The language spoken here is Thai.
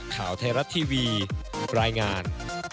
ข่าวเทราทีวีรายงาน